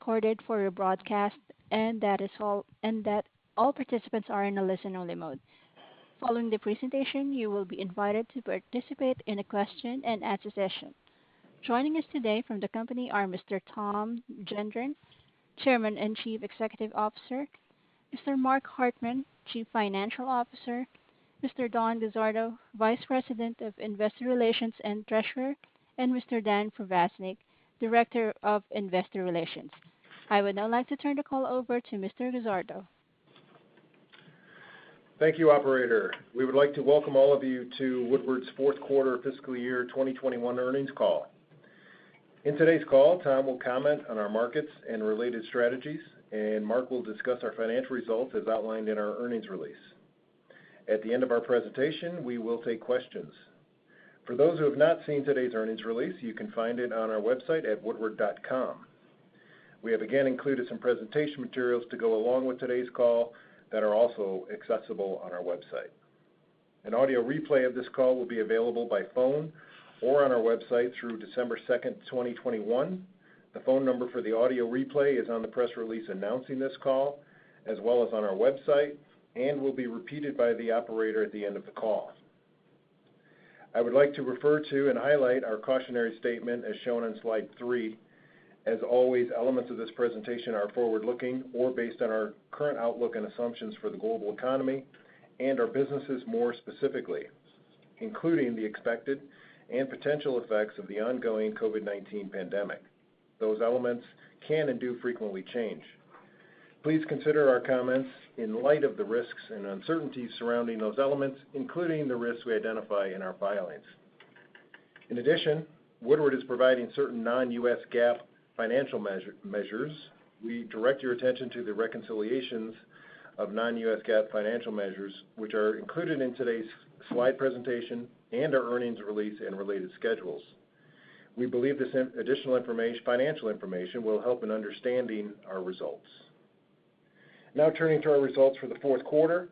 Following the presentation, you will be invited to participate in a question-and-answer session. Joining us today from the company are Mr. Tom Gendron, Chairman and Chief Executive Officer, Mr. Mark Hartman, Chief Financial Officer, Mr. Don Guzzardo, Vice President of Investor Relations and Treasurer, and Mr. Dan Provaznik, Director of Investor Relations. I would now like to turn the call over to Mr. Guzzardo. Thank you, operator. We would like to welcome all of you to Woodward's fourth quarter fiscal year 2021 earnings call. In today's call, Tom will comment on our markets and related strategies, and Mark will discuss our financial results as outlined in our earnings release. At the end of our presentation, we will take questions. For those who have not seen today's earnings release, you can find it on our website at woodward.com. We have again included some presentation materials to go along with today's call that are also accessible on our website. An audio replay of this call will be available by phone or on our website through December 2, 2021. The phone number for the audio replay is on the press release announcing this call, as well as on our website, and will be repeated by the operator at the end of the call. I would like to refer to and highlight our cautionary statement as shown on slide three. As always, elements of this presentation are forward-looking or based on our current outlook and assumptions for the global economy and our businesses, more specifically, including the expected and potential effects of the ongoing COVID-19 pandemic. Those elements can and do frequently change. Please consider our comments in light of the risks and uncertainties surrounding those elements, including the risks we identify in our filings. In addition, Woodward is providing certain non-U.S. GAAP financial measures. We direct your attention to the reconciliations of non-U.S. GAAP financial measures, which are included in today's slide presentation and our earnings release and related schedules. We believe this additional financial information will help in understanding our results. Now turning to our results for the fourth quarter.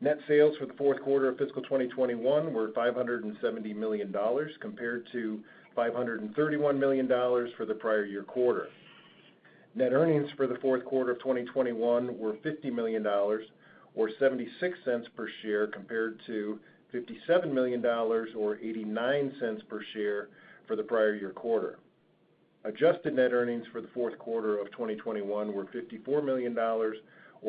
Net sales for the fourth quarter of fiscal 2021 were $570 million compared to $531 million for the prior year quarter. Net earnings for the fourth quarter of 2021 were $50 million or $0.76 per share, compared to $57 million or $0.89 per share for the prior year quarter. Adjusted net earnings for the fourth quarter of 2021 were $54 million or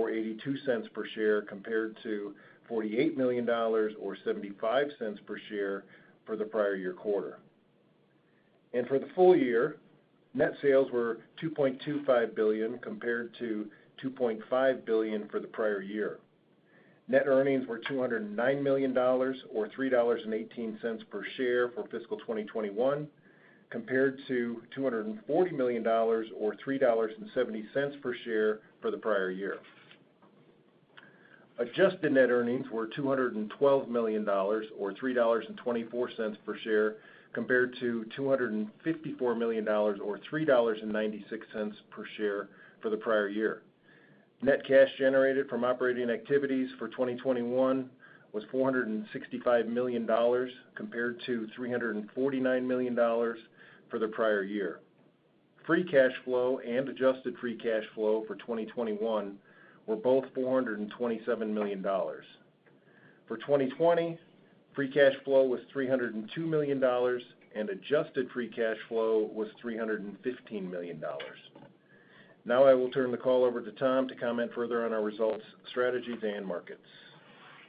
$0.82 per share, compared to $48 million or $0.75 per share for the prior year quarter. For the full year, net sales were $2.25 billion, compared to $2.5 billion for the prior year. Net earnings were $209 million or $3.18 per share for fiscal 2021, compared to $240 million or $3.70 per share for the prior year. Adjusted net earnings were $212 million or $3.24 per share, compared to $254 million or $3.96 per share for the prior year. Net cash generated from operating activities for 2021 was $465 million compared to $349 million for the prior year. Free cash flow and adjusted free cash flow for 2021 were both $427 million. For 2020, free cash flow was $302 million, and adjusted free cash flow was $315 million. Now I will turn the call over to Tom to comment further on our results, strategies, and markets.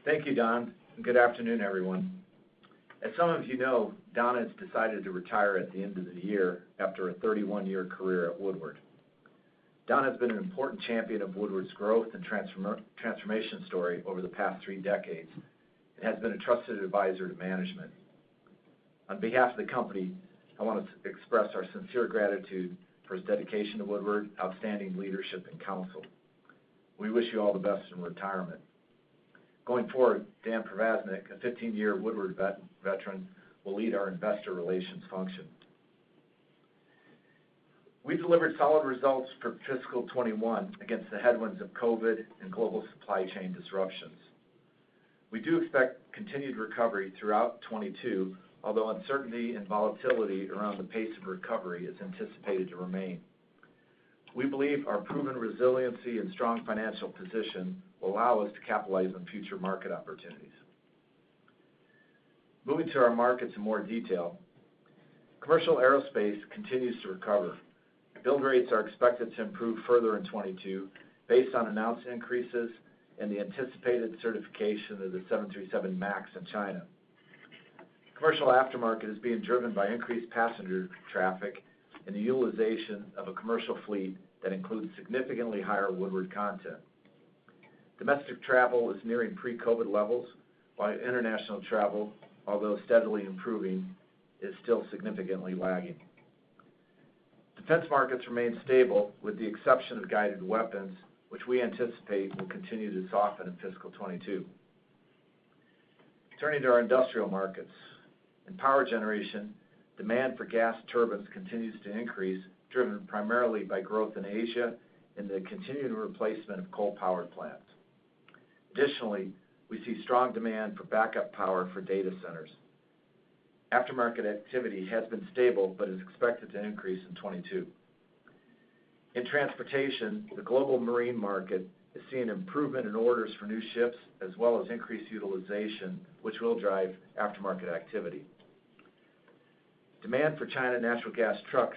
Thank you, Don, and good afternoon, everyone. As some of you know, Don has decided to retire at the end of the year after a 31-year career at Woodward. Don has been an important champion of Woodward's growth and transformation story over the past three decades and has been a trusted advisor to management. On behalf of the company, I want to express our sincere gratitude for his dedication to Woodward, outstanding leadership and counsel. We wish you all the best in retirement. Going forward, Dan Provaznik, a 15-year Woodward veteran, will lead our Investor Relations function. We delivered solid results for fiscal 2021 against the headwinds of COVID and global supply chain disruptions. We do expect continued recovery throughout 2022, although uncertainty and volatility around the pace of recovery is anticipated to remain. We believe our proven resiliency and strong financial position will allow us to capitalize on future market opportunities. Moving to our markets in more detail. Commercial aerospace continues to recover. Bill rates are expected to improve further in 2022 based on announced increases and the anticipated certification of the 737 MAX in China. Commercial aftermarket is being driven by increased passenger traffic and the utilization of a commercial fleet that includes significantly higher Woodward content. Domestic travel is nearing pre-COVID levels, while international travel, although steadily improving, is still significantly lagging. Defense markets remain stable with the exception of guided weapons, which we anticipate will continue to soften in fiscal 2022. Turning to our industrial markets. In power generation, demand for gas turbines continues to increase, driven primarily by growth in Asia and the continued replacement of coal-powered plants. Additionally, we see strong demand for backup power for data centers. Aftermarket activity has been stable but is expected to increase in 2022. In transportation, the global marine market is seeing improvement in orders for new ships, as well as increased utilization, which will drive aftermarket activity. Demand for China natural gas trucks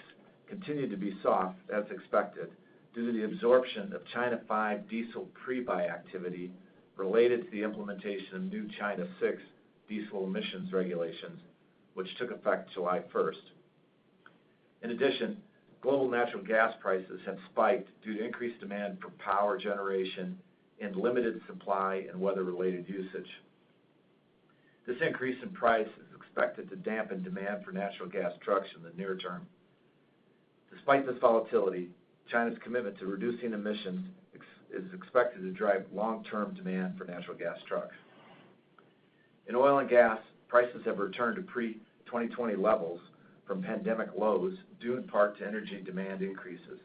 continued to be soft, as expected, due to the absorption of China V diesel pre-buy activity related to the implementation of new China VI diesel emissions regulations, which took effect July 1st. In addition, global natural gas prices have spiked due to increased demand for power generation and limited supply and weather-related usage. This increase in price is expected to dampen demand for natural gas trucks in the near term. Despite this volatility, China's commitment to reducing emissions is expected to drive long-term demand for natural gas trucks. In oil and gas, prices have returned to pre-2020 levels from pandemic lows, due in part to energy demand increases.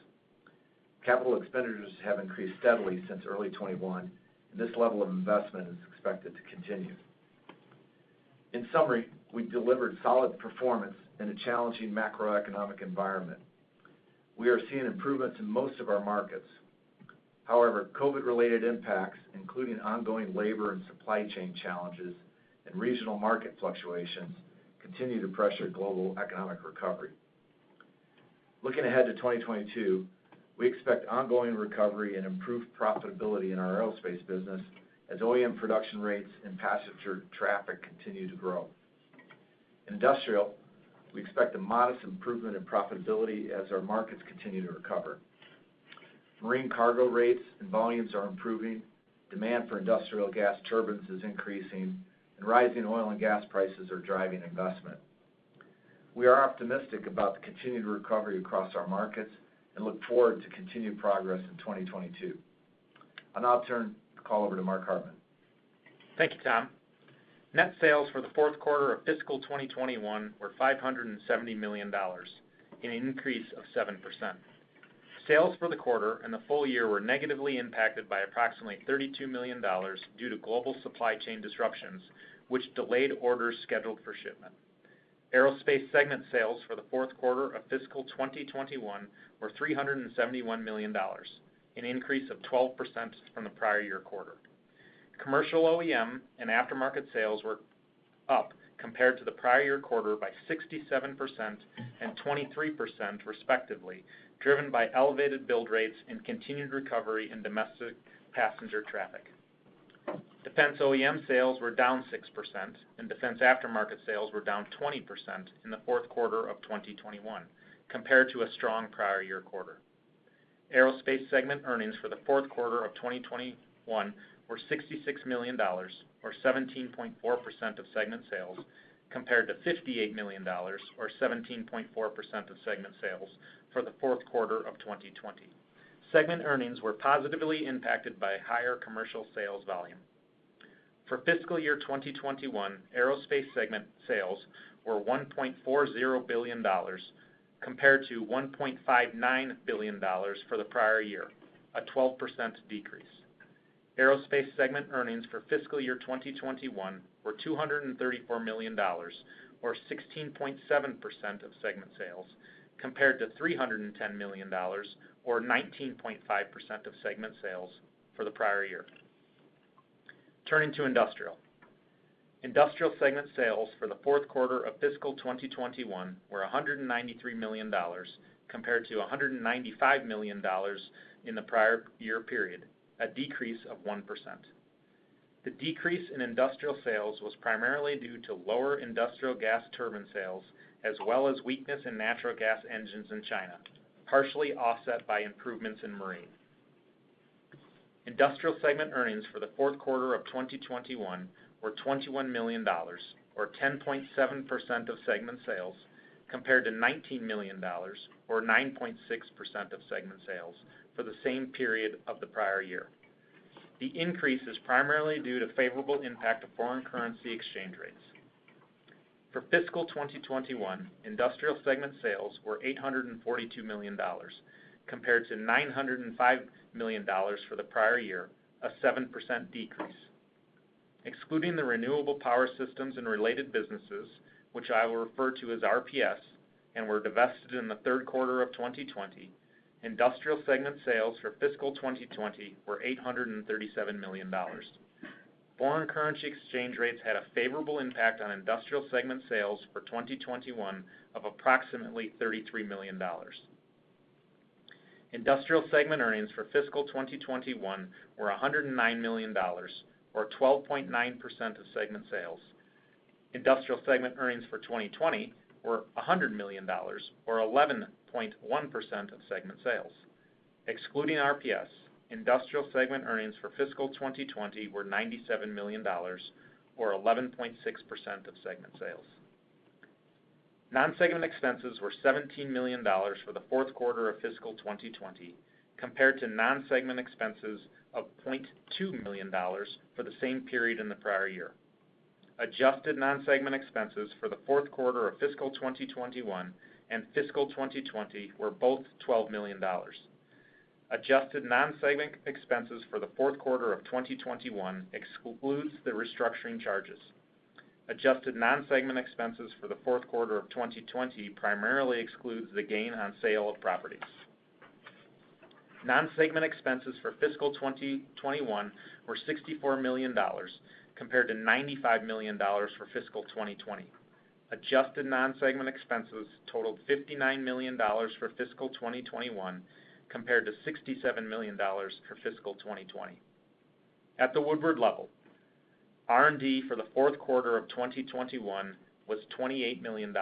Capital expenditures have increased steadily since early 2021, and this level of investment is expected to continue. In summary, we delivered solid performance in a challenging macroeconomic environment. We are seeing improvement in most of our markets. However, COVID-related impacts, including ongoing labor and supply chain challenges and regional market fluctuations, continue to pressure global economic recovery. Looking ahead to 2022, we expect ongoing recovery and improved profitability in our Aerospace business as OEM production rates and passenger traffic continue to grow. In Industrial, we expect a modest improvement in profitability as our markets continue to recover. Marine cargo rates and volumes are improving, demand for industrial gas turbines is increasing, and rising oil and gas prices are driving investment. We are optimistic about the continued recovery across our markets and look forward to continued progress in 2022. I'll turn the call over to Mark Hartman. Thank you, Tom. Net sales for the fourth quarter of fiscal 2021 were $570 million, an increase of 7%. Sales for the quarter and the full year were negatively impacted by approximately $32 million due to global supply chain disruptions, which delayed orders scheduled for shipment. Aerospace segment sales for the fourth quarter of fiscal 2021 were $371 million, an increase of 12% from the prior year quarter. Commercial OEM and aftermarket sales were up compared to the prior year quarter by 67% and 23% respectively, driven by elevated build rates and continued recovery in domestic passenger traffic. Defense OEM sales were down 6% and defense aftermarket sales were down 20% in the fourth quarter of 2021 compared to a strong prior year quarter. Aerospace segment earnings for the fourth quarter of 2021 were $66 million or 17.4% of segment sales, compared to $58 million or 17.4% of segment sales for the fourth quarter of 2020. Segment earnings were positively impacted by higher commercial sales volume. For fiscal year 2021, Aerospace segment sales were $1.40 billion compared to $1.59 billion for the prior year, a 12% decrease. Aerospace segment earnings for fiscal year 2021 were $234 million or 16.7% of segment sales, compared to $310 million or 19.5% of segment sales for the prior year. Turning to Industrial. Industrial segment sales for the fourth quarter of fiscal 2021 were $193 million compared to $195 million in the prior year period, a decrease of 1%. The decrease in Industrial sales was primarily due to lower industrial gas turbine sales, as well as weakness in natural gas engines in China, partially offset by improvements in marine. Industrial segment earnings for the fourth quarter of 2021 were $21 million or 10.7% of segment sales, compared to $19 million or 9.6% of segment sales for the same period of the prior year. The increase is primarily due to favorable impact of foreign currency exchange rates. For fiscal 2021, Industrial segment sales were $842 million compared to $905 million for the prior year, a 7% decrease. Excluding the renewable power systems and related businesses, which I will refer to as RPS and were divested in the third quarter of 2020, Industrial segment sales for fiscal 2020 were $837 million. Foreign currency exchange rates had a favorable impact on Industrial segment sales for 2021 of approximately $33 million. Industrial segment earnings for fiscal 2021 were $109 million or 12.9% of segment sales. Industrial segment earnings for 2020 were $100 million or 11.1% of segment sales. Excluding RPS, Industrial segment earnings for fiscal 2020 were $97 million or 11.6% of segment sales. Non-segment expenses were $17 million for the fourth quarter of fiscal 2020, compared to non-segment expenses of $0.2 million for the same period in the prior year. Adjusted non-segment expenses for the fourth quarter of fiscal 2021 and fiscal 2020 were both $12 million. Adjusted non-segment expenses for the fourth quarter of 2021 excludes the restructuring charges. Adjusted non-segment expenses for the fourth quarter of 2020 primarily excludes the gain on sale of properties. Non-segment expenses for fiscal 2021 were $64 million compared to $95 million for fiscal 2020. Adjusted non-segment expenses totaled $59 million for fiscal 2021 compared to $67 million for fiscal 2020. At the Woodward level, R&D for the fourth quarter of 2021 was $28 million,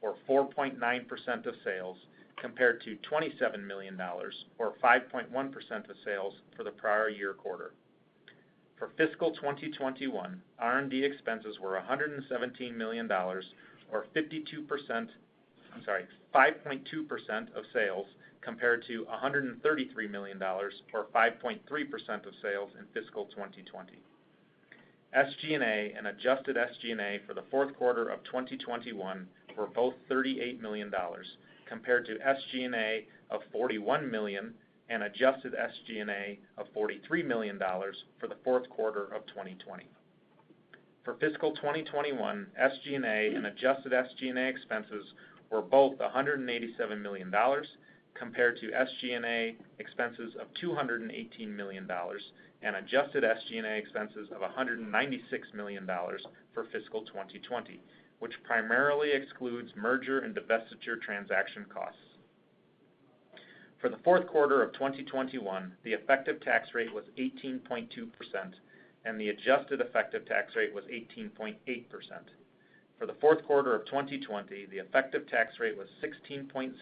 or 4.9% of sales, compared to $27 million or 5.1% of sales for the prior year quarter. For fiscal 2021, R&D expenses were $117 million, or 5.2% of sales, compared to $133 million or 5.3% of sales in fiscal 2020. SG&A and adjusted SG&A for the fourth quarter of 2021 were both $38 million compared to SG&A of $41 million and adjusted SG&A of $43 million for the fourth quarter of 2020. For fiscal 2021, SG&A and adjusted SG&A expenses were both $187 million compared to SG&A expenses of $218 million and adjusted SG&A expenses of $196 million for fiscal 2020, which primarily excludes merger and divestiture transaction costs. For the fourth quarter of 2021, the effective tax rate was 18.2%, and the adjusted effective tax rate was 18.8%. For the fourth quarter of 2020, the effective tax rate was 16.0%,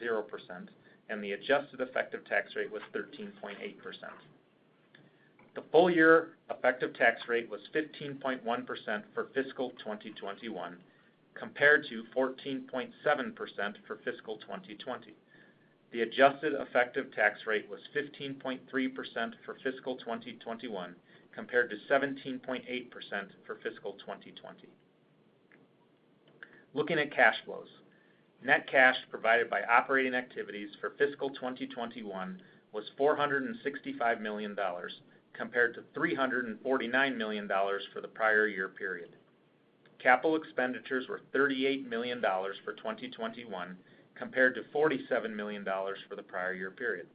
and the adjusted effective tax rate was 13.8%. The full year effective tax rate was 15.1% for fiscal 2021 compared to 14.7% for fiscal 2020. The adjusted effective tax rate was 15.3% for fiscal 2021 compared to 17.8% for fiscal 2020. Looking at cash flows, net cash provided by operating activities for fiscal 2021 was $465 million compared to $349 million for the prior year period. Capital expenditures were $38 million for 2021 compared to $47 million for the prior year period.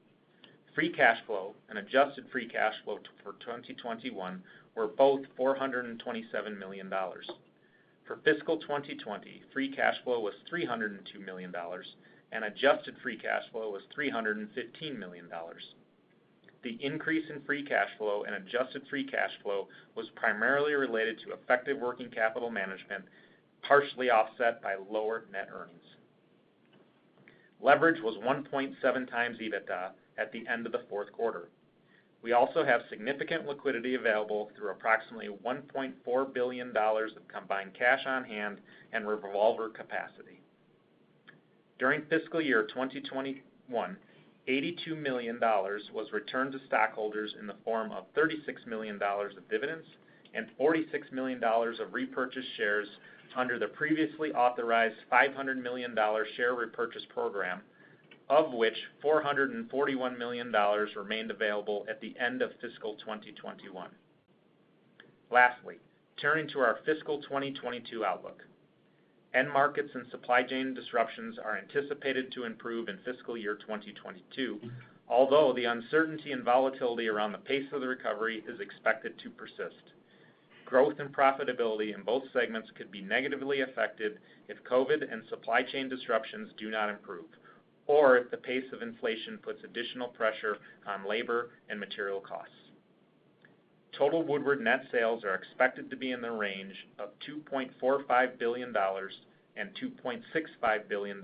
Free cash flow and adjusted free cash flow for 2021 were both $427 million. For fiscal 2020, free cash flow was $302 million and adjusted free cash flow was $315 million. The increase in free cash flow and adjusted free cash flow was primarily related to effective working capital management, partially offset by lower net earnings. Leverage was 1.7x EBITDA at the end of the fourth quarter. We also have significant liquidity available through approximately $1.4 billion of combined cash on hand and revolver capacity. During fiscal year 2021, $82 million was returned to stockholders in the form of $36 million of dividends and $46 million of repurchased shares under the previously authorized $500 million share repurchase program, of which $441 million remained available at the end of fiscal year 2021. Lastly, turning to our fiscal 2022 outlook. End markets and supply chain disruptions are anticipated to improve in fiscal year 2022, although the uncertainty and volatility around the pace of the recovery is expected to persist. Growth and profitability in both segments could be negatively affected if COVID and supply chain disruptions do not improve, or if the pace of inflation puts additional pressure on labor and material costs. Total Woodward net sales are expected to be in the range of $2.45 billion-$2.65 billion.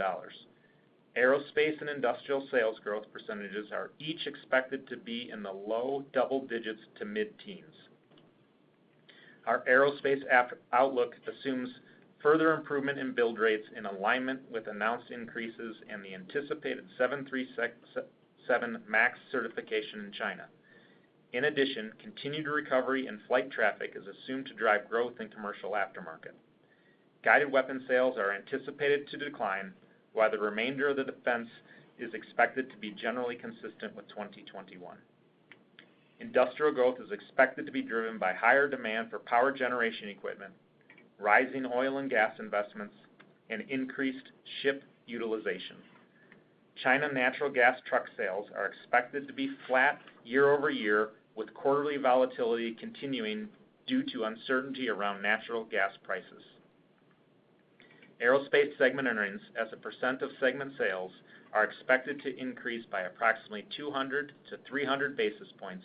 Aerospace and Industrial sales growth percentages are each expected to be in the low double digits to mid-teens. Our aerospace outlook assumes further improvement in build rates in alignment with announced increases in the anticipated 737 MAX certification in China. In addition, continued recovery in flight traffic is assumed to drive growth in commercial aftermarket. Guided weapon sales are anticipated to decline while the remainder of the defense is expected to be generally consistent with 2021. Industrial growth is expected to be driven by higher demand for power generation equipment, rising oil and gas investments, and increased ship utilization. China natural gas truck sales are expected to be flat year-over-year, with quarterly volatility continuing due to uncertainty around natural gas prices. Aerospace segment earnings as a percent of segment sales are expected to increase by approximately 200 basis points-300 basis points,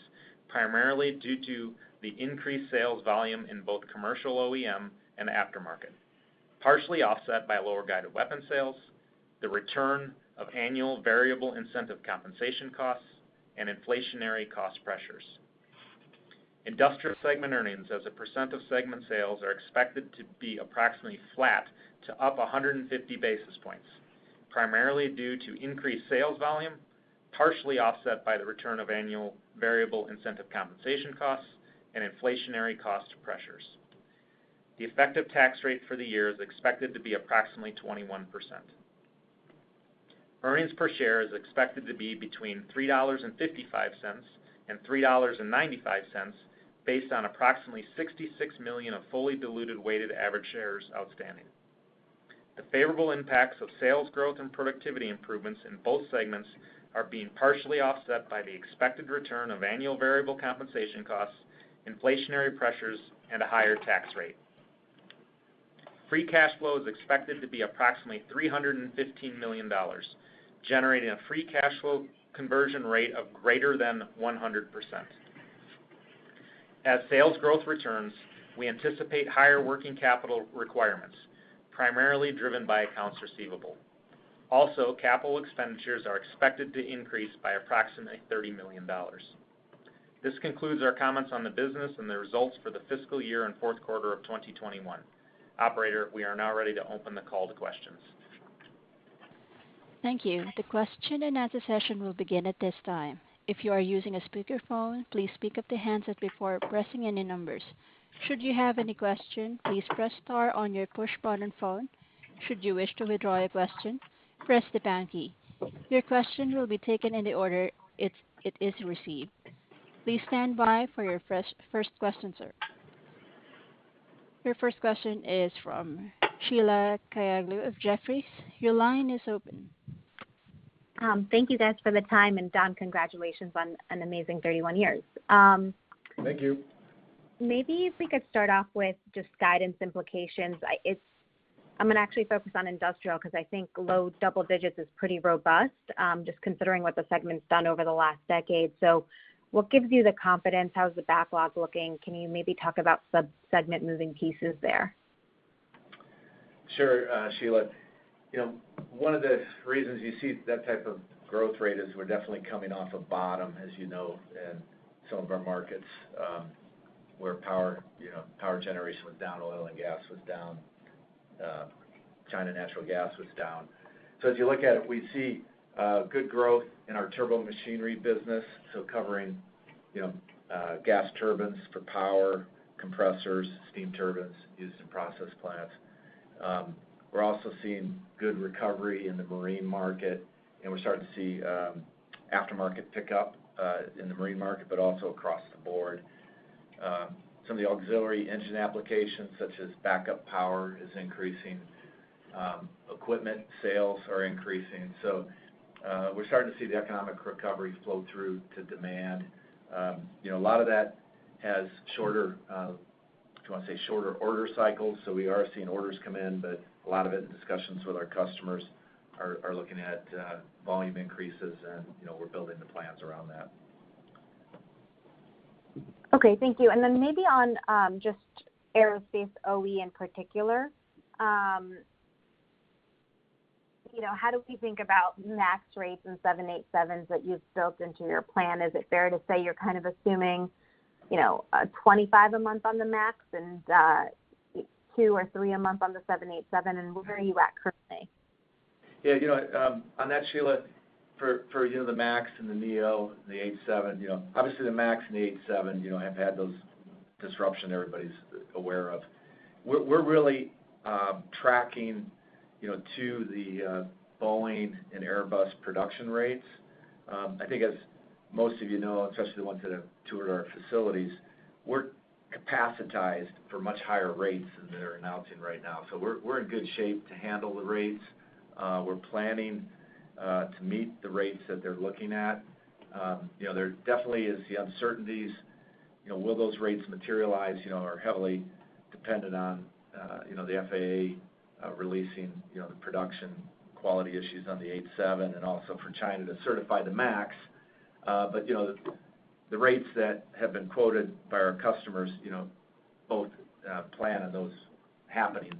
primarily due to the increased sales volume in both commercial OEM and aftermarket, partially offset by lower guided weapon sales, the return of annual variable incentive compensation costs, and inflationary cost pressures. Industrial segment earnings as a percent of segment sales are expected to be approximately flat to up 150 basis points, primarily due to increased sales volume, partially offset by the return of annual variable incentive compensation costs and inflationary cost pressures. The effective tax rate for the year is expected to be approximately 21%. Earnings per share is expected to be between $3.55 and $3.95 based on approximately 66 million fully diluted weighted average shares outstanding. The favorable impacts of sales growth and productivity improvements in both segments are being partially offset by the expected return of annual variable compensation costs, inflationary pressures, and a higher tax rate. Free cash flow is expected to be approximately $315 million, generating a free cash flow conversion rate of greater than 100%. As sales growth returns, we anticipate higher working capital requirements, primarily driven by accounts receivable. Also, capital expenditures are expected to increase by approximately $30 million. This concludes our comments on the business and the results for the fiscal year and fourth quarter of 2021. Operator, we are now ready to open the call to questions. Thank you. The question-and-answer session will begin at this time. If you are using a speakerphone, please pick up the handset before pressing any numbers. Should you have any question, please press star on your push button phone. Should you wish to withdraw your question, press the pound key. Your question will be taken in the order it is received. Please stand by for your first question, sir. Your first question is from Sheila Kahyaoglu of Jefferies. Your line is open. Thank you guys for the time, and Don, congratulations on an amazing 31 years. Thank you. Maybe if we could start off with just guidance implications. I'm gonna actually focus on industrial because I think low double digits is pretty robust, just considering what the segment's done over the last decade. What gives you the confidence? How's the backlog looking? Can you maybe talk about sub-segment moving pieces there? Sure, Sheila. You know, one of the reasons you see that type of growth rate is we're definitely coming off a bottom, as you know, in some of our markets, where power, you know, power generation was down, oil and gas was down, China natural gas was down. As you look at it, we see good growth in our turbomachinery business, so covering, you know, gas turbines for power, compressors, steam turbines used in process plants. We're also seeing good recovery in the marine market, and we're starting to see aftermarket pickup in the marine market, but also across the board. Some of the auxiliary engine applications, such as backup power, is increasing. Equipment sales are increasing. We're starting to see the economic recovery flow through to demand. You know, a lot of that has shorter order cycles. We are seeing orders come in, but a lot of it in discussions with our customers are looking at volume increases, and, you know, we're building the plans around that. Okay, thank you. Then maybe on just aerospace OEM in particular. You know, how do we think about 737 MAX rates and 787s that you've built into your plan? Is it fair to say you're kind of assuming, you know, 25 a month on the 737 MAX and two or three a month on the 787? Where are you at currently? Yeah, you know, on that, Sheila, for you know, the MAX and the Neo, the 787, you know, obviously the MAX and the 787, you know, have had those disruptions everybody's aware of. We're really tracking, you know, to the Boeing and Airbus production rates. I think as most of you know, especially the ones that have toured our facilities, we're capacitized for much higher rates than they're announcing right now. So, we're in good shape to handle the rates. We're planning to meet the rates that they're looking at. You know, there definitely is the uncertainties. You know, will those rates materialize? You know, are heavily dependent on, you know, the FAA releasing, you know, the production quality issues on the 787 and also for China to certify the MAX. You know, the rates that have been quoted by our customers, you know, both plan on those happening,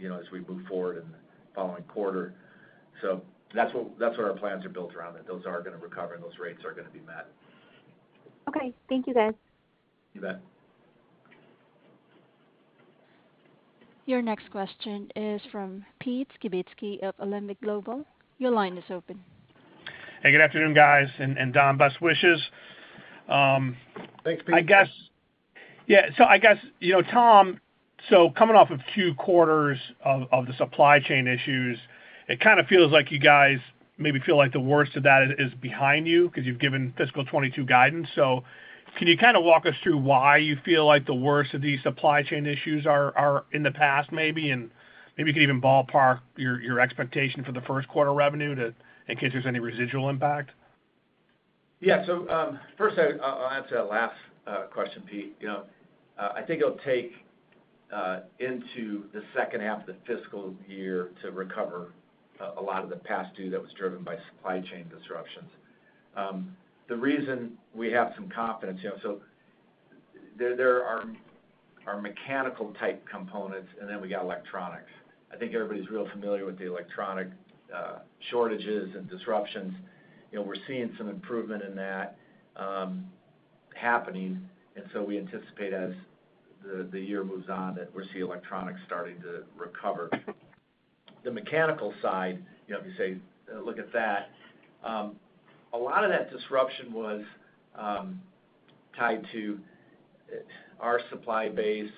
you know, as we move forward in the following quarter. That's what our plans are built around, that those are going to recover and those rates are going to be met. Okay. Thank you, guys. You bet. Your next question is from Pete Skibitski of Alembic Global. Your line is open. Hey, good afternoon, guys. Don, best wishes. Thanks, Pete. I guess. Yeah. I guess, you know, Tom, coming off of two quarters of the supply chain issues, it kind of feels like you guys maybe feel like the worst of that is behind you because you've given fiscal 2022 guidance. Can you kind of walk us through why you feel like the worst of these supply chain issues are in the past maybe? And maybe you can even ballpark your expectation for the first quarter revenue too in case there's any residual impact. Yeah. First, I'll answer that last question, Pete. You know, I think it'll take into the second half of the fiscal year to recover a lot of the past due that was driven by supply chain disruptions. The reason we have some confidence, you know. There are mechanical type components, and then we got electronics. I think everybody's real familiar with the electronics shortages and disruptions. You know, we're seeing some improvement in that happening. We anticipate as the year moves on that we'll see electronics starting to recover. The mechanical side, you know, if you say, look at that, a lot of that disruption was tied to our supply base,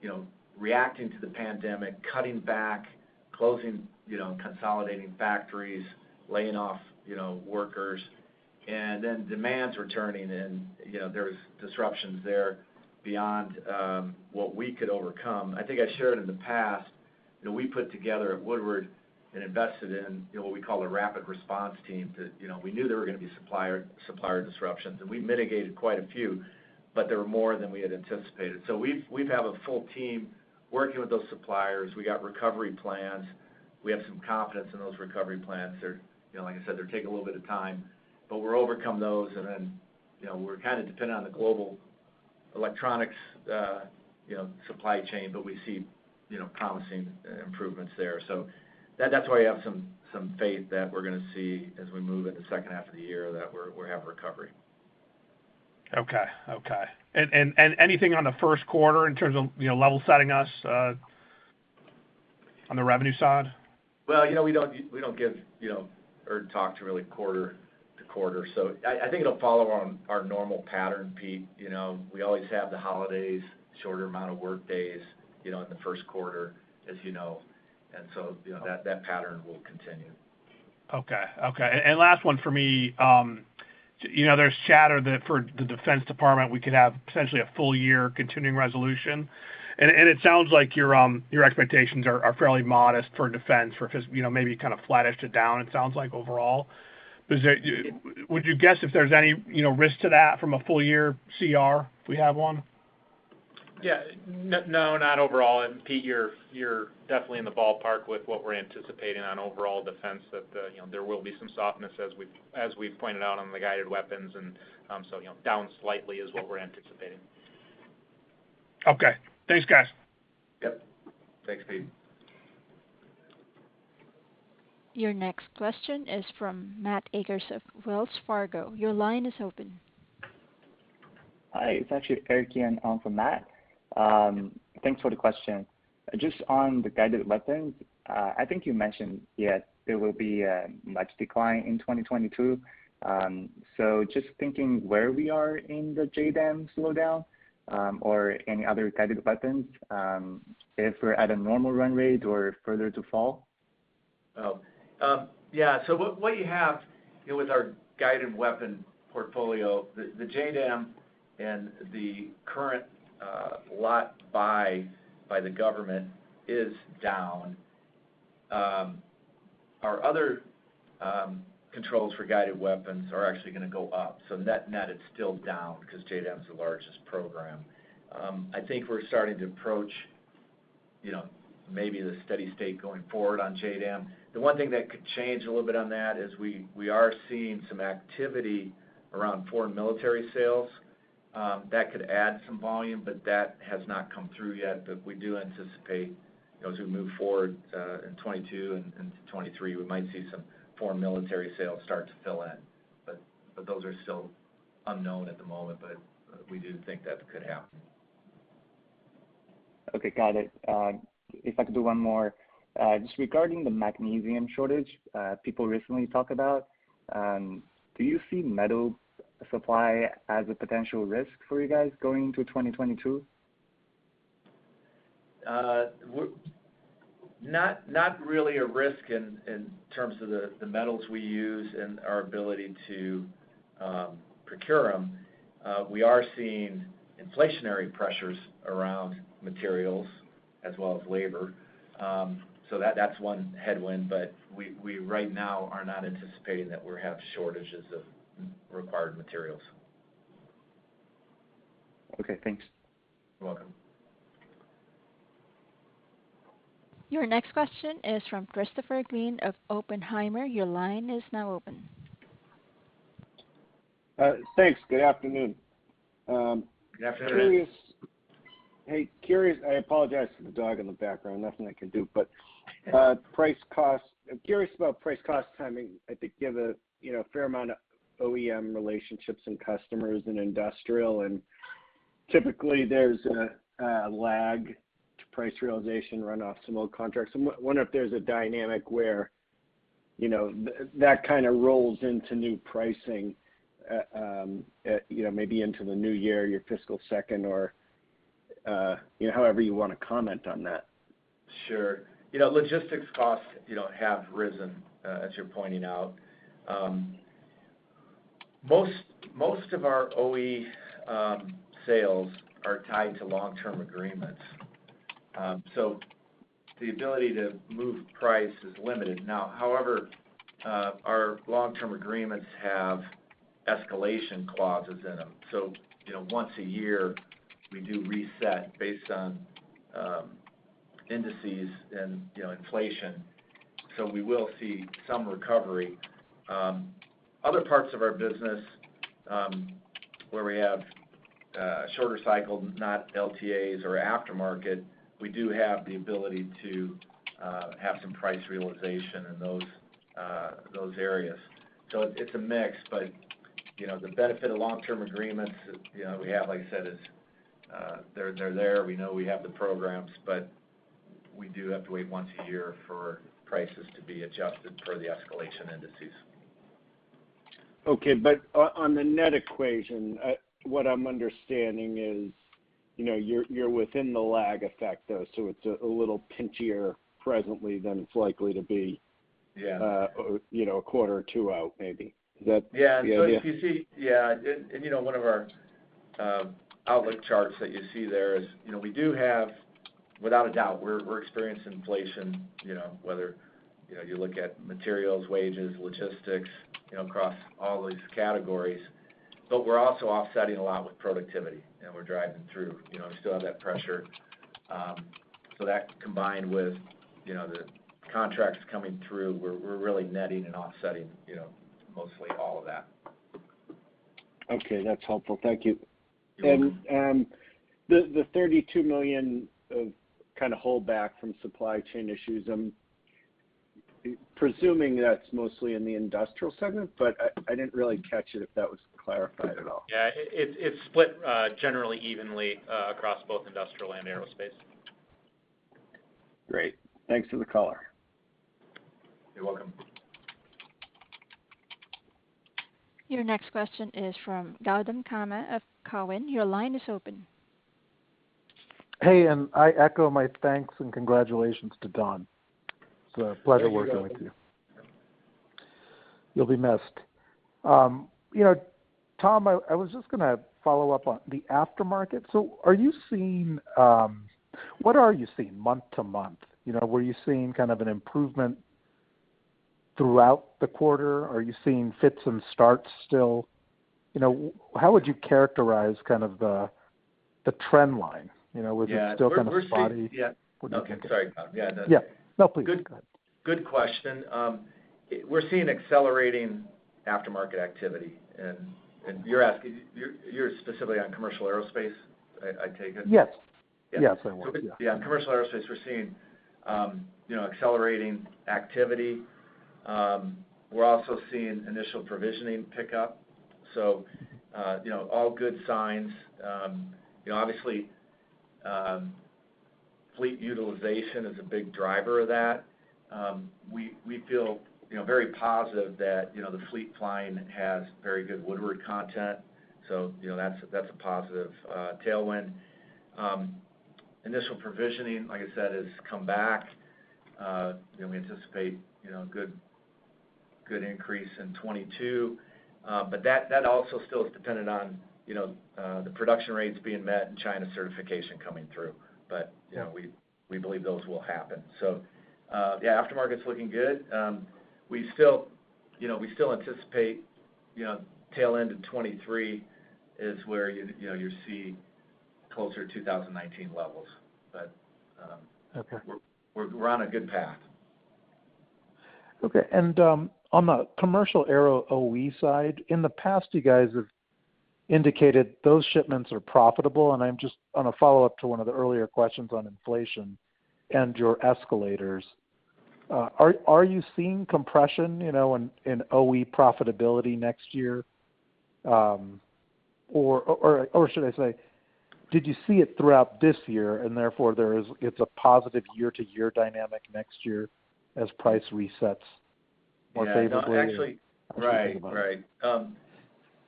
you know, reacting to the pandemic, cutting back, closing, you know, consolidating factories, laying off, you know, workers. Then demands returning and, you know, there's disruptions there beyond what we could overcome. I think I shared in the past that we put together at Woodward and invested in what we call a rapid response team to, you know, we knew there were gonna be supplier disruptions, and we mitigated quite a few, but there were more than we had anticipated. We have a full team working with those suppliers. We got recovery plans. We have some confidence in those recovery plans. They're, you know, like I said, they take a little bit of time, but we'll overcome those. You know, we're kind of dependent on the global electronics supply chain, but we see, you know, promising improvements there. That's why I have some faith that we're gonna see as we move in the second half of the year that we have recovery. Anything on the first quarter in terms of, you know, level setting us on the revenue side? Well, you know, we don't give, you know, or talk really quarter-to-quarter. I think it'll follow our normal pattern, Pete. You know, we always have the holidays, shorter amount of work days, you know, in the first quarter, as you know, and that pattern will continue. Okay. Last one for me, you know, there's chatter that for the defense department, we could have potentially a full year continuing resolution. It sounds like your expectations are fairly modest for defense or just, you know, maybe kind of flattish to down, it sounds like overall. Would you guess if there's any, you know, risk to that from a full year CR, if we have one? Yeah. No, not overall. Pete, you're definitely in the ballpark with what we're anticipating on overall defense, that you know, there will be some softness as we've pointed out on the guided weapons. You know, down slightly is what we're anticipating. Okay. Thanks, guys. Yep. Thanks, Pete. Your next question is from Matt Akers of Wells Fargo. Your line is open. Hi. It's actually Eric Yan on for Matt. Thanks for the question. Just on the guided weapons, I think you mentioned, yes, there will be a much decline in 2022. So just thinking where we are in the JDAM slowdown, or any other guided weapons, if we're at a normal run rate or further to fall? Oh, yeah. What you have with our guided weapon portfolio, the JDAM and the current lot buy by the government is down. Our other controls for guided weapons are actually gonna go up. Net-net, it's still down because JDAM is the largest program. I think we're starting to approach, you know, maybe the steady state going forward on JDAM. The one thing that could change a little bit on that is we are seeing some activity around foreign military sales that could add some volume, but that has not come through yet. We do anticipate as we move forward in 2022 and to 2023, we might see some foreign military sales start to fill in. Those are still unknown at the moment, but we do think that could happen. Okay, got it. If I could do one more. Just regarding the magnesium shortage people recently talked about, do you see metal supply as a potential risk for you guys going into 2022? Not really a risk in terms of the metals we use and our ability to procure them. We are seeing inflationary pressures around materials as well as labor. That's one headwind. We right now are not anticipating that we'll have shortages of required materials. Okay, thanks. You're welcome. Your next question is from Christopher Glynn of Oppenheimer. Your line is now open. Thanks. Good afternoon. Good afternoon. I apologize for the dog in the background. Nothing I can do. Price cost. I'm curious about price cost timing. I think you have a fair amount of OEM relationships and customers in industrial, and typically there's a lag to price realization run off some old contracts. I wonder if there's a dynamic where you know that kind of rolls into new pricing, you know, maybe into the new year, your fiscal second or you know however you want to comment on that. Sure. You know, logistics costs, you know, have risen as you're pointing out. Most of our OE sales are tied to long-term agreements. The ability to move price is limited. Now, however, our long-term agreements have escalation clauses in them. You know, once a year we do reset based on indices and, you know, inflation. We will see some recovery. Other parts of our business, where we have shorter cycle, not LTAs or aftermarket, we do have the ability to have some price realization in those areas. It's a mix, but you know, the benefit of long-term agreements, you know, we have, like I said, is. They're there. We know we have the programs, but we do have to wait once a year for prices to be adjusted per the escalation indices. Okay. On the net equation, what I'm understanding is, you know, you're within the lag effect though, so it's a little pinchier presently than it's likely to be. Yeah. You know, a quarter or two out maybe. Is that- Yeah. Yeah, yeah. If you see. Yeah, you know, one of our outlook charts that you see there is, you know, we do have, without a doubt, we're experiencing inflation, you know, whether you know, you look at materials, wages, logistics, you know, across all these categories. We're also offsetting a lot with productivity, and we're driving through. You know, we still have that pressure. That combined with, you know, the contracts coming through, we're really netting and offsetting, you know, mostly all of that. Okay. That's helpful. Thank you. Mm-hmm. The $32 million of kind of holdback from supply chain issues, I'm presuming that's mostly in the Industrial segment, but I didn't really catch it if that was clarified at all. Yeah. It's split generally evenly across both Industrial and Aerospace. Great. Thanks for the color. You're welcome. Your next question is from Gautam Khanna of Cowen. Your line is open. Hey, I echo my thanks and congratulations to Don. It's a pleasure working with you. Thank you, Gautam. You'll be missed. Tom, I was just gonna follow up on the aftermarket. What are you seeing month-to-month? You know, were you seeing kind of an improvement throughout the quarter? Are you seeing fits and starts still? You know, how would you characterize kind of the trend line? You know, was it still kind of spotty? Yeah. We're seeing. Yeah. Would you- Okay. Sorry, Gautam. Yeah, no. Yeah. No, please. Go ahead. Good question. We're seeing accelerating aftermarket activity. You're asking, you're specifically on commercial aerospace, I take it? Yes. Yeah. Yes, I was. Yeah. Yeah. On commercial aerospace, we're seeing, you know, accelerating activity. We're also seeing initial provisioning pickup, so, you know, all good signs. You know, obviously, fleet utilization is a big driver of that. We feel, you know, very positive that, you know, the fleet flying has very good Woodward content, so, you know, that's a positive tailwind. Initial provisioning, like I said, has come back. You know, we anticipate, you know, good increase in 2022. That also still is dependent on, you know, the production rates being met and China certification coming through. You know— Yeah. — we believe those will happen. Yeah, aftermarket's looking good. We still anticipate, you know, tail end of 2023 is where you know you see closer to 2019 levels. Okay. We're on a good path. Okay. On the commercial aero OE side, in the past you guys have indicated those shipments are profitable, and I'm just on a follow-up to one of the earlier questions on inflation and your escalators. Are you seeing compression, you know, in OE profitability next year? Or should I say, did you see it throughout this year, and therefore it's a positive year-to-year dynamic next year as price resets more favorably or— Yeah. No, actually. Right.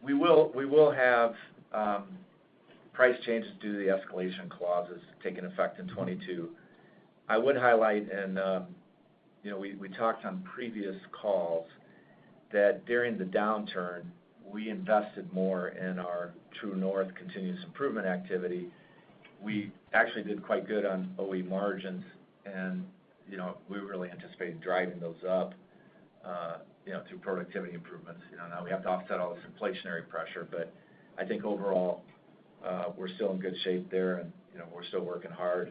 We will have price changes due to the escalation clauses taking effect in 2022. I would highlight, and, you know, we talked on previous calls that during the downturn, we invested more in our True North continuous improvement activity. We actually did quite good on OE margins, and, you know, we really anticipate driving those up, you know, through productivity improvements. You know, now we have to offset all this inflationary pressure, but I think overall, we're still in good shape there and, you know, we're still working hard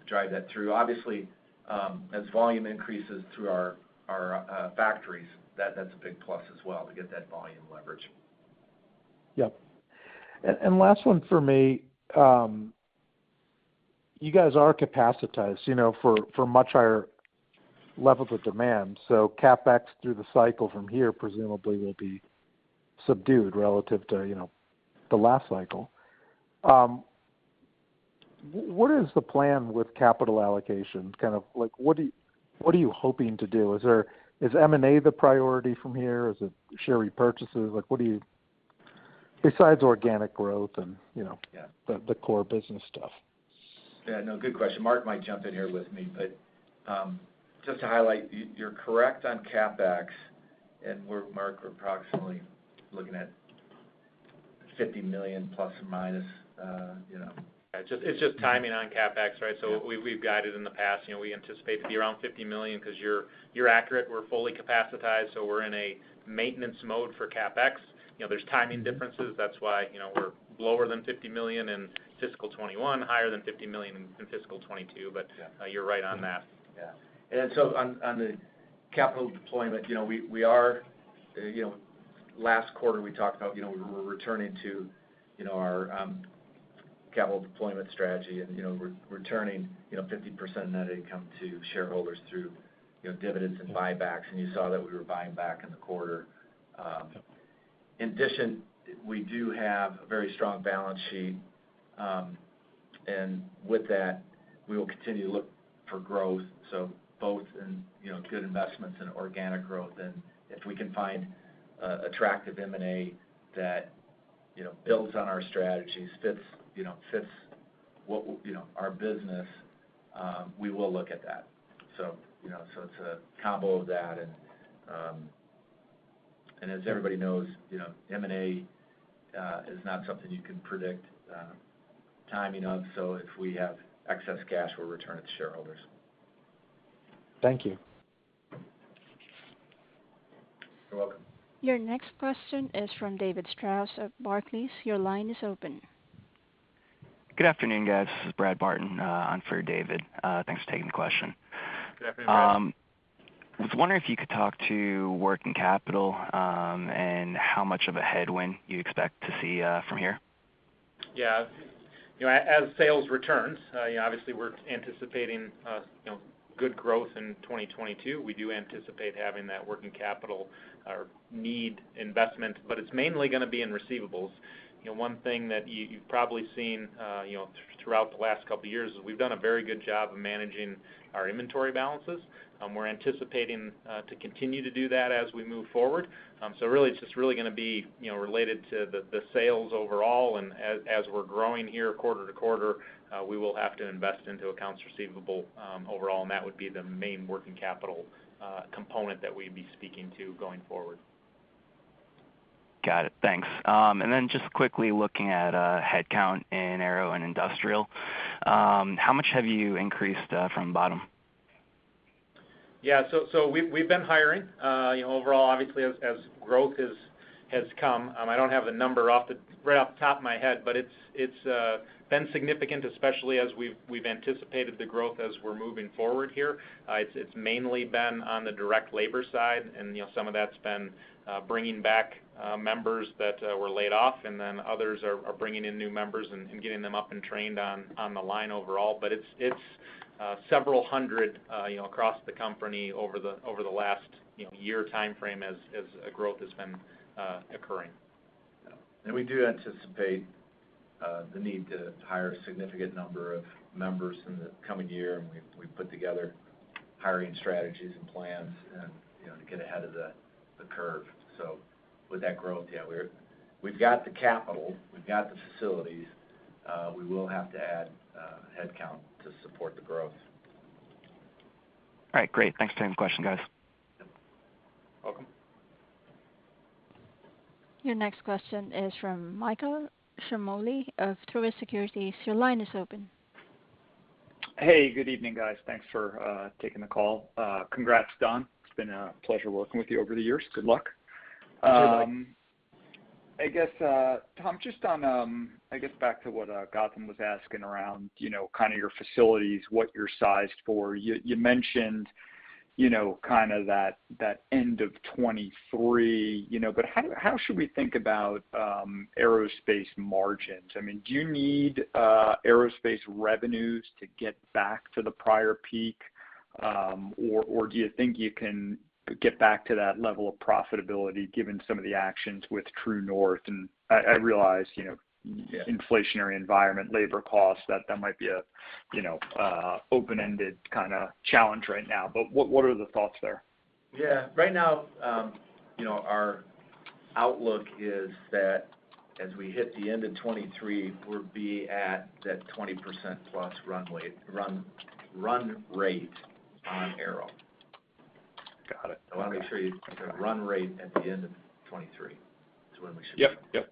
to drive that through. Obviously, as volume increases through our factories, that's a big plus as well to get that volume leverage. Yep. Last one for me. You guys are capacitated, you know, for much higher levels of demand, so CapEx through the cycle from here presumably will be subdued relative to, you know, the last cycle. What is the plan with capital allocation? Kind of like, what are you hoping to do? Is M&A the priority from here? Is it share repurchases? Like, what are you... Besides organic growth and, you know— Yeah. — the core business stuff. Yeah. No, good question. Mark might jump in here with me, but, just to highlight, you're correct on CapEx, and we're, Mark, approximately looking at $50± million, you know. Yeah. It's just timing on CapEx, right? We've guided in the past. You know, we anticipate to be around $50 million, 'cause you're accurate. We're fully capacitated, so we're in a maintenance mode for CapEx. You know, there's timing differences. That's why, you know, we're lower than $50 million in fiscal 2021, higher than $50 million in fiscal 2022. Yeah. You're right on that. On the capital deployment, you know, we are. Last quarter, we talked about, you know, we were returning to, you know, our capital deployment strategy and, you know, returning, you know, 50% net income to shareholders through, you know, dividends and buybacks. You saw that we were buying back in the quarter. In addition, we do have a very strong balance sheet. With that, we will continue to look for growth, so both in, you know, good investments and organic growth. If we can find attractive M&A that, you know, builds on our strategies, fits, you know, what you know, our business, we will look at that. It's a combo of that. As everybody knows, you know, M&A is not something you can predict timing of, so if we have excess cash, we'll return it to shareholders. Thank you. You're welcome. Your next question is from David Strauss of Barclays. Your line is open. Good afternoon, guys. This is Brad Barton on for David. Thanks for taking the question. Good afternoon, Brad. I was wondering if you could talk to working capital, and how much of a headwind you expect to see from here? Yeah. You know, as sales returns, you know, obviously we're anticipating good growth in 2022. We do anticipate having that working capital or need investment, but it's mainly gonna be in receivables. You know, one thing that you've probably seen throughout the last couple years is we've done a very good job of managing our inventory balances. We're anticipating to continue to do that as we move forward. Really, it's just really gonna be related to the sales overall, and as we're growing here quarter to quarter, we will have to invest into accounts receivable overall, and that would be the main working capital component that we'd be speaking to going forward. Got it. Thanks. Just quickly looking at headcount in aero and industrial, how much have you increased from bottom? We've been hiring, you know, overall obviously as growth has come. I don't have the number right off the top of my head, but it's been significant, especially as we've anticipated the growth as we're moving forward here. It's mainly been on the direct labor side and, you know, some of that's been bringing back members that were laid off, and then others are bringing in new members and getting them up and trained on the line overall. It's several hundred, you know, across the company over the last year timeframe as growth has been occurring. We do anticipate the need to hire a significant number of members in the coming year, and we've put together hiring strategies and plans and, you know, to get ahead of the curve. With that growth, yeah, we've got the capital, we've got the facilities, we will have to add headcount to support the growth. All right. Great. Thanks for taking the question, guys. You're welcome. Your next question is from Michael Ciarmoli of Truist Securities. Your line is open. Hey, good evening, guys. Thanks for taking the call. Congrats, Don. It's been a pleasure working with you over the years. Good luck. I guess, Tom, just on, I guess back to what Gautam was asking around, you know, kind of your facilities, what you're sized for. You mentioned, you know, kind of that end of 2023, you know. But how should we think about aerospace margins? I mean, do you need aerospace revenues to get back to the prior peak, or do you think you can get back to that level of profitability given some of the actions with True North? I realize, you know, inflationary environment, labor costs, that might be a, you know, open-ended kinda challenge right now, but what are the thoughts there? Yeah. Right now, you know, our outlook is that as we hit the end of 2023, we'll be at that 20%+ run rate on aero. Got it. The run rate at the end of 2023 is when we should be done. Yep.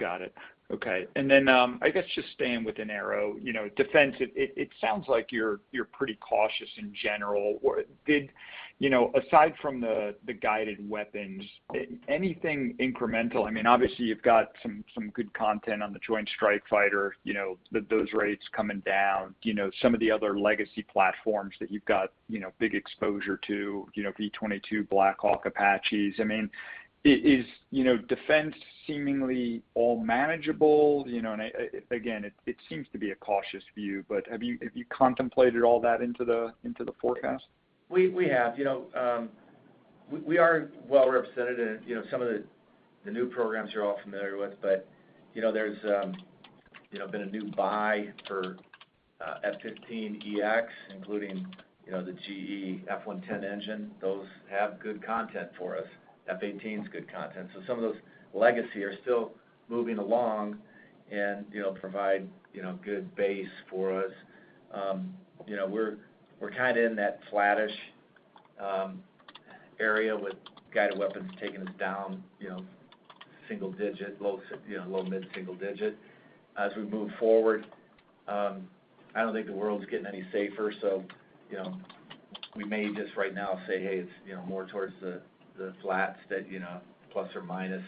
Got it. Okay. I guess just staying within aero, you know, defense, it sounds like you're pretty cautious in general. Or, you know, aside from the guided weapons, anything incremental, I mean, obviously you've got some good content on the Joint Strike Fighter, you know, those rates coming down. You know, some of the other legacy platforms that you've got, you know, big exposure to, you know, V-22 Black Hawk Apaches. I mean, is, you know, defense seemingly all manageable? You know, and again, it seems to be a cautious view, but have you contemplated all that into the forecast? We have. You know, we are well represented in, you know, some of the new programs you're all familiar with. You know, there's been a new buy for F-15EX, including, you know, the GE F110 engine. Those have good content for us. F-18's good content. Some of those legacy are still moving along and, you know, provide, you know, good base for us. You know, we're kind of in that flattish area with guided weapons taking us down, you know, low mid-single digit. As we move forward, I don't think the world's getting any safer, so, you know, we may just right now say, "Hey, it's, you know, more towards the flat, you know, plus or minus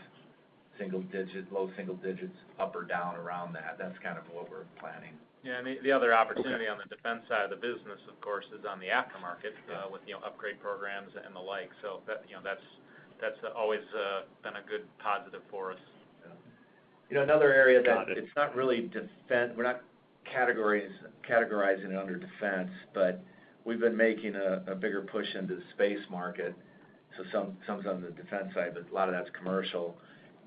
single digit, low single digits, up or down around that." That's kind of what we're planning. Yeah, the other opportunity on the defense side of the business, of course, is on the aftermarket, with you know, upgrade programs and the like. That you know, that's always been a good positive for us. You know, another area that it's not really defense, but we're not categorizing it under defense, but we've been making a bigger push into the space market. Some is on the defense side, but a lot of that's commercial.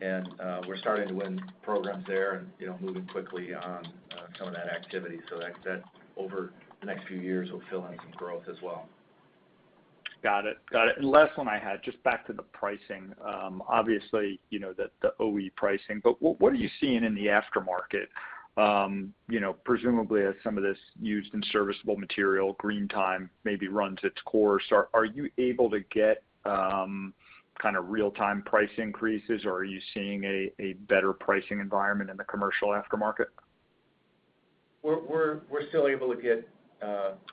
We're starting to win programs there and you know, moving quickly on some of that activity. That over the next few years will fill in some growth as well. Got it. Last one I had, just back to the pricing. Obviously, you know, the OE pricing, but what are you seeing in the aftermarket? You know, presumably as some of this used and serviceable material green time maybe runs its course, are you able to get kind of real time price increases, or are you seeing a better pricing environment in the commercial aftermarket? We're still able to get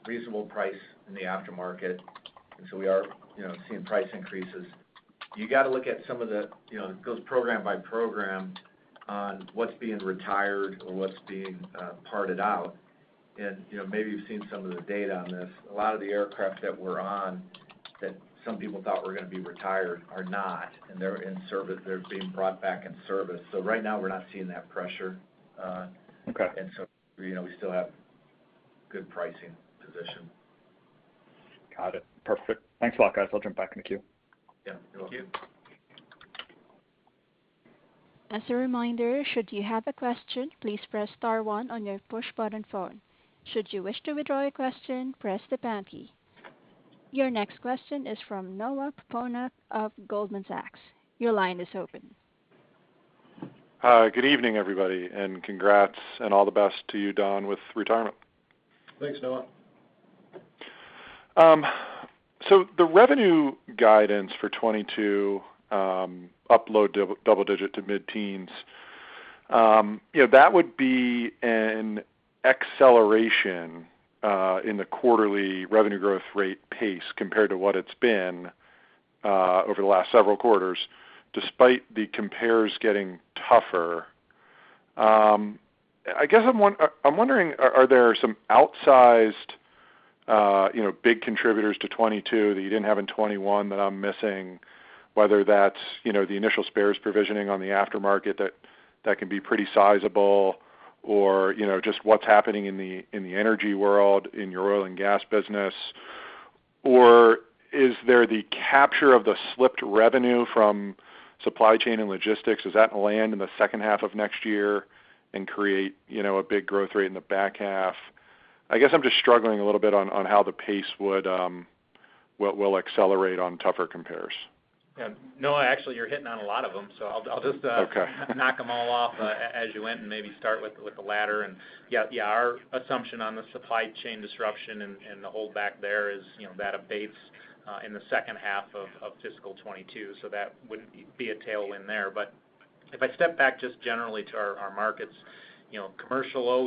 reasonable price in the aftermarket. We are, you know, seeing price increases. You gotta look at some of the, you know, it goes program by program on what's being retired or what's being parted out. You know, maybe you've seen some of the data on this. A lot of the aircraft that we're on that some people thought were gonna be retired are not, and they're in service. They're being brought back in service. Right now, we're not seeing that pressure. Okay. You know, we still have good pricing position. Got it. Perfect. Thanks a lot, guys. I'll jump back in the queue. Yeah. Thank you. As a reminder, should you have a question, please press star one on your push button phone. Should you wish to withdraw your question, press the pound key. Your next question is from Noah Poponak of Goldman Sachs. Your line is open. Good evening, everybody, and congrats and all the best to you, Don, with retirement. Thanks, Noah. The revenue guidance for 2022 up low-double-digit to mid-teens, you know, that would be an acceleration in the quarterly revenue growth rate pace compared to what it's been over the last several quarters, despite the compares getting tougher. I guess I'm wondering, are there some outsized, you know, big contributors to 2022 that you didn't have in 2021 that I'm missing, whether that's, you know, the initial spares provisioning on the aftermarket that can be pretty sizable, or, you know, just what's happening in the energy world, in your oil and gas business? Or is there the capture of the slipped revenue from supply chain and logistics? Does that land in the second half of next year and create, you know, a big growth rate in the back half? I guess I'm just struggling a little bit on how the pace will accelerate on tougher compares. Yeah. Noah, actually, you're hitting on a lot of them, so I'll just, Okay knock them all off as you went and maybe start with the latter. Yeah, our assumption on the supply chain disruption and the holdback there is, you know, that abates in the second half of FY 2022, so that would be a tailwind there. If I step back just generally to our markets, you know, commercial OE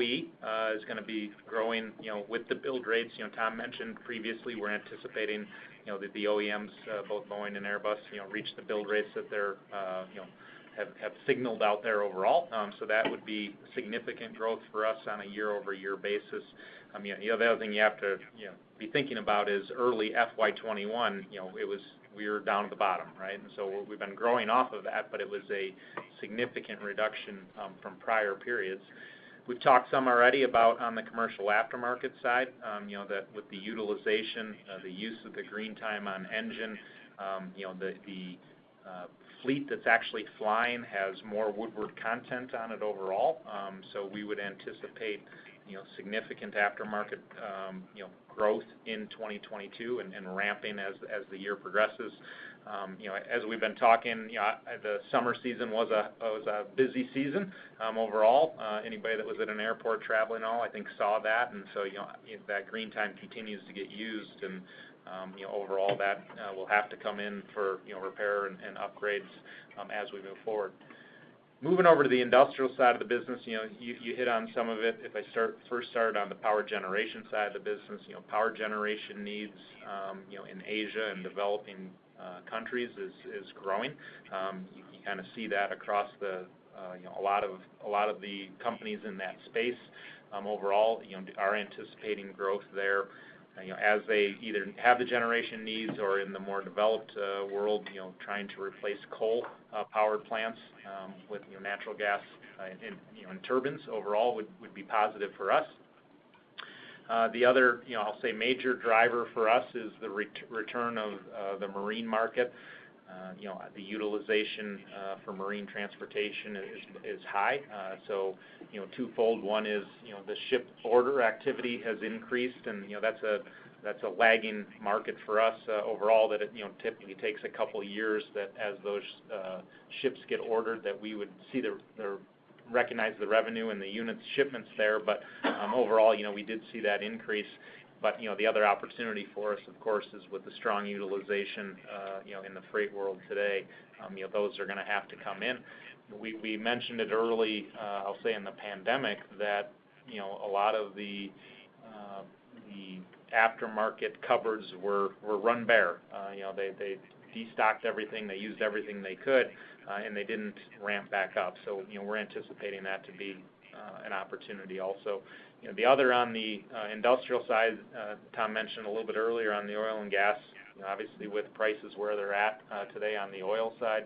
is gonna be growing, you know, with the build rates. You know, Tom mentioned previously we're anticipating, you know, that the OEMs, both Boeing and Airbus, you know, reach the build rates that they're, you know, have signaled out there overall. That would be significant growth for us on a year-over-year basis. I mean, the other thing you have to, you know, be thinking about is early FY 2021, you know, we were down at the bottom, right? We've been growing off of that, but it was a significant reduction from prior periods. We've talked some already about on the commercial aftermarket side, you know, that with the utilization, the use of the green time on engine, you know, the fleet that's actually flying has more Woodward content on it overall. So we would anticipate, you know, significant aftermarket, you know, growth in 2022 and ramping as the year progresses. You know, as we've been talking, you know, the summer season was a busy season, overall. Anybody that was at an airport traveling all, I think, saw that. You know, if that green time continues to get used and, you know, overall that will have to come in for, you know, repair and upgrades as we move forward. Moving over to the industrial side of the business, you know, you hit on some of it. If I first start on the power generation side of the business, you know, power generation needs, you know, in Asia and developing countries is growing. You kind of see that across the, you know, a lot of the companies in that space, overall, you know, are anticipating growth there. You know, as they either have the generation needs or in the more developed world, you know, trying to replace coal power plants with, you know, natural gas in, you know, in turbines overall would be positive for us. The other, you know, I'll say major driver for us is the return of the marine market. You know, the utilization for marine transportation is high. So, you know, twofold. One is, you know, the ship order activity has increased, and, you know, that's a lagging market for us overall that typically takes a couple of years as those ships get ordered, that we would see the recognize the revenue and the units shipments there. Overall, you know, we did see that increase. You know, the other opportunity for us, of course, is with the strong utilization, you know, in the freight world today, those are gonna have to come in. We mentioned it early, I'll say in the pandemic, that you know, a lot of the aftermarket cupboards were run bare. You know, they destocked everything. They used everything they could, and they didn't ramp back up. You know, we're anticipating that to be an opportunity also. You know, the other on the industrial side, Tom mentioned a little bit earlier on the oil and gas. You know, obviously with prices where they're at. Today on the oil side,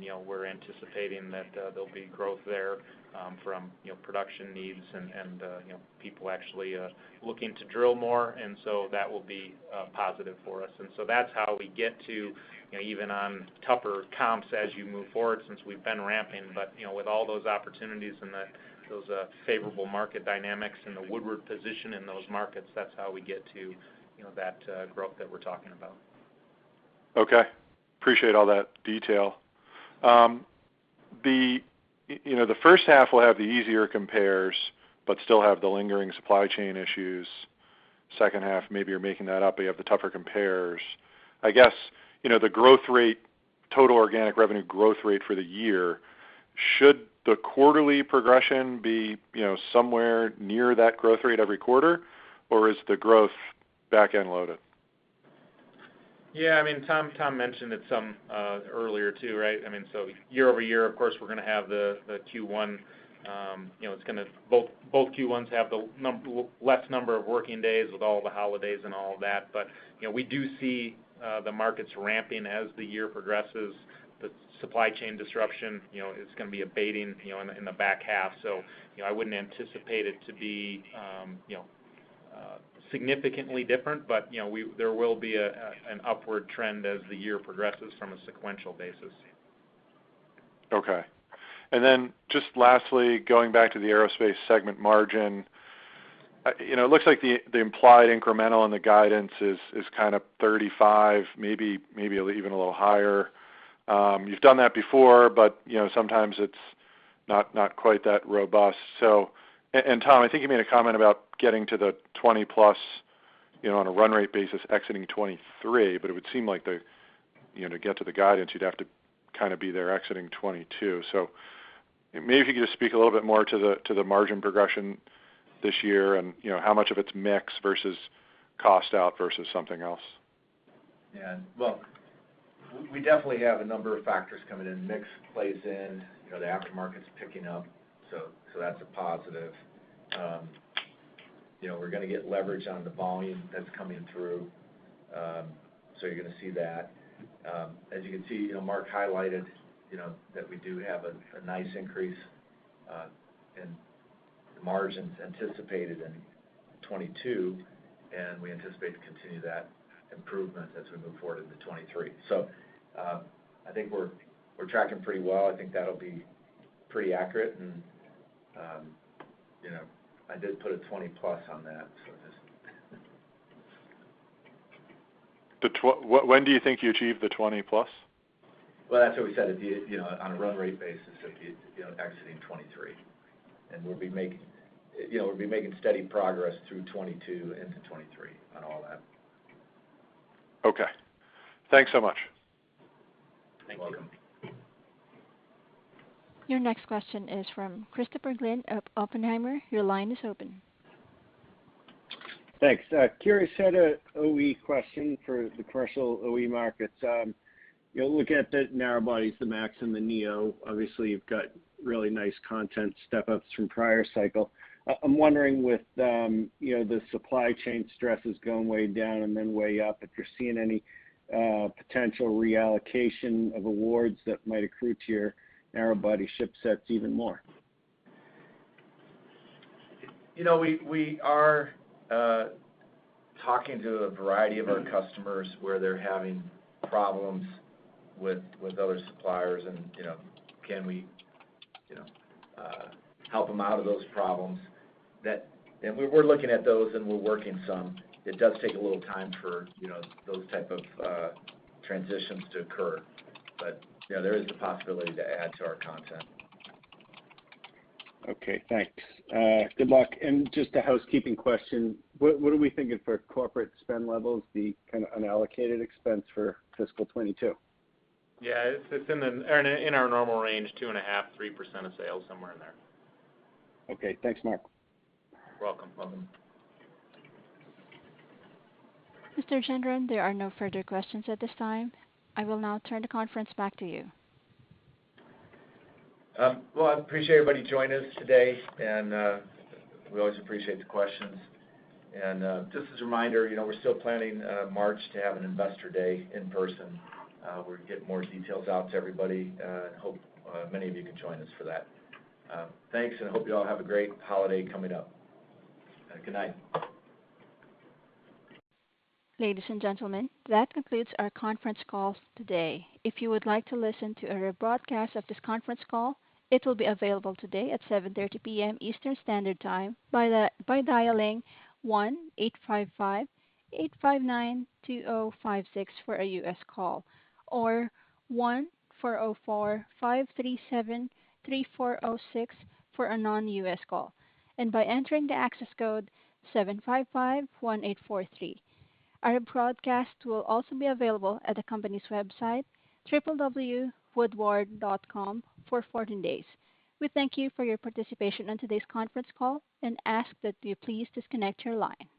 you know, we're anticipating that there'll be growth there from you know production needs and you know people actually looking to drill more. That will be positive for us. That's how we get to you know even on tougher comps as you move forward since we've been ramping. You know, with all those opportunities and those favorable market dynamics and the Woodward position in those markets, that's how we get to you know that growth that we're talking about. Okay. Appreciate all that detail. You know, the first half will have the easier compares but still have the lingering supply chain issues. Second half, maybe you're making that up, you have the tougher compares. I guess, you know, the growth rate, total organic revenue growth rate for the year, should the quarterly progression be, you know, somewhere near that growth rate every quarter? Or is the growth back-end loaded? Yeah, I mean, Tom mentioned it some earlier too, right? I mean, year-over-year, of course, we're gonna have the Q1, you know, it's gonna both Q1s have a lesser number of working days with all the holidays and all of that. We do see the markets ramping as the year progresses. The supply chain disruption, you know, is gonna be abating, you know, in the back half. You know, I wouldn't anticipate it to be significantly different, but, you know, there will be an upward trend as the year progresses from a sequential basis. Okay. Then just lastly, going back to the Aerospace segment margin, you know, it looks like the implied incremental and the guidance is kind of 35%, maybe even a little higher. You've done that before, but you know, sometimes it's not quite that robust. Tom, I think you made a comment about getting to the 20%+, you know, on a run rate basis exiting 2023, but it would seem like you know, to get to the guidance, you'd have to kind of be there exiting 2022. Maybe if you could just speak a little bit more to the margin progression this year and you know, how much of it's mix versus cost out versus something else? Yeah. Well, we definitely have a number of factors coming in. Mix plays in. You know, the aftermarket's picking up, so that's a positive. You know, we're gonna get leverage on the volume that's coming through, so you're gonna see that. As you can see, you know, Mark highlighted, you know, that we do have a nice increase in the margins anticipated in 2022, and we anticipate to continue that improvement as we move forward into 2023. I think we're tracking pretty well. I think that'll be pretty accurate and, you know, I did put a 20%+ on that, so just When do you think you achieve the 20%+? Well, that's what we said, you know, on a run rate basis, it'd be, you know, exiting 2023. We'll be making, you know, steady progress through 2022 into 2023 on all that. Okay. Thanks so much. Thank you. You're welcome. Your next question is from Christopher Glynn of Oppenheimer. Your line is open. Thanks. I'm curious, have a OE question for the commercial OE markets. You know, looking at the narrow bodies, the MAX and the Neo, obviously, you've got really nice content step-ups from prior cycle. I'm wondering with, you know, the supply chain stresses going way down and then way up, if you're seeing any potential reallocation of awards that might accrue to your narrow body shipsets even more. You know, we are talking to a variety of our customers where they're having problems with other suppliers and, you know, can we, you know, help them out of those problems. We're looking at those, and we're working some. It does take a little time for, you know, those type of transitions to occur. You know, there is the possibility to add to our content. Okay, thanks. Good luck. Just a housekeeping question. What are we thinking for corporate spend levels be kind of unallocated expense for fiscal 2022? Yeah. It's in our normal range, 2.5%-3% of sales, somewhere in there. Okay, thanks, Mark. You're welcome. Mr. Gendron, there are no further questions at this time. I will now turn the conference back to you. Well, I appreciate everybody joining us today, and we always appreciate the questions. Just as a reminder, you know, we're still planning March to have an investor day in person. We'll get more details out to everybody, and hope many of you can join us for that. Thanks, and I hope you all have a great holiday coming up. Good night. Ladies and gentlemen, that concludes our conference call today. If you would like to listen to a rebroadcast of this conference call, it will be available today at 7:30 P.M. Eastern Standard Time by dialing 1-855-859-2056 for a U.S. call or 1-404-537-3406 for a non-U.S. call, and by entering the access code 755-1843. Our broadcast will also be available at the company's website, www.woodward.com, for 14 days. We thank you for your participation on today's conference call and ask that you please disconnect your line.